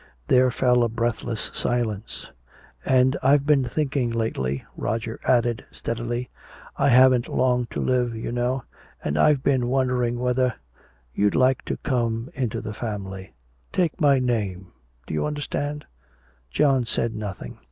There fell a breathless silence. "And I've been thinking lately," Roger added steadily. "I haven't long to live, you know. And I've been wondering whether you'd like to come into the family take my name. Do you understand?" John said nothing.